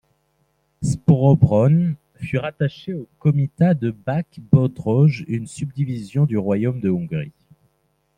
Srbobran fut rattachée au comitat de Bács-Bodrog, une subdivision du Royaume de Hongrie.